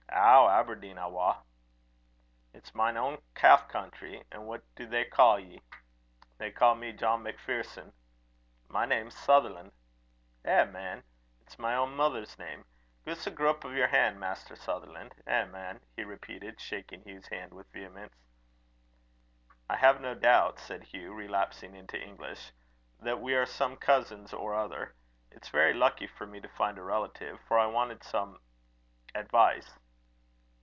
"Ou, Aberdeen awa." "It's mine ain calf country. An' what do they ca' ye?" "They ca' me John MacPherson." "My name's Sutherland." "Eh, man! It's my ain mither's name. Gie's a grup o' yer han', Maister Sutherlan'. Eh, man!" he repeated, shaking Hugh's hand with vehemence. "I have no doubt," said Hugh, relapsing into English, "that we are some cousins or other. It's very lucky for me to find a relative, for I wanted some advice."